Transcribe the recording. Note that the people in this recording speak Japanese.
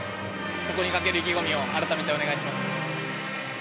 そこにかける意気込みを改めてお願いします。